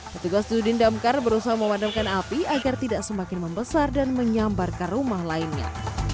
petugas dudin damkar berusaha memadamkan api agar tidak semakin membesar dan menyambarkan rumah lainnya